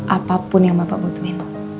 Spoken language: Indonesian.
apapun yang bapak butuhin